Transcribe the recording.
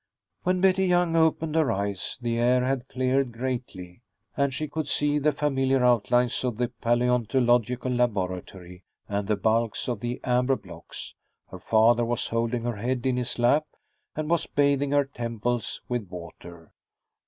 When Betty Young opened her eyes, the air had cleared greatly, and she could see the familiar outlines of the paleontological laboratory and the bulks of the amber blocks. Her father was holding her head in his lap, and was bathing her temples with water.